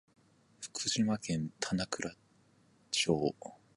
福島県棚倉町